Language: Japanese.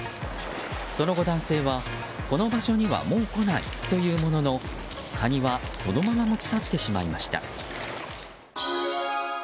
その後、男性はこの場所にはもう来ないというもののカニはそのまま持ち去ってしまいました。